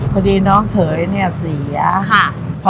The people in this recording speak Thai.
พอดีน้องเขยเนี่ยเสียค่ะ